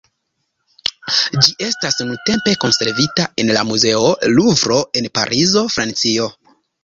Ĝi estas nuntempe konservita en la Muzeo Luvro en Parizo, Francio.